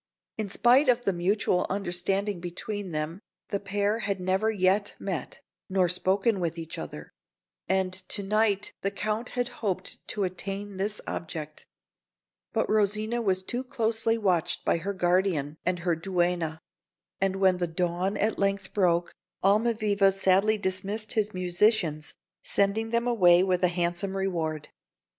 [Illustration: ROSSINI] In spite of the mutual understanding between them, the pair had never yet met, nor spoken with each other; and to night the Count had hoped to attain this object. But Rosina was too closely watched by her guardian and her duenna; and when the dawn at length broke Almaviva sadly dismissed his musicians, sending them away with a handsome reward.